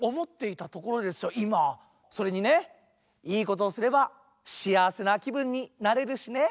それにねいいことをすれば幸せなきぶんになれるしね。